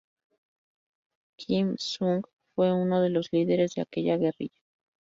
Kim Il-sung fue uno de los líderes de aquella guerrilla.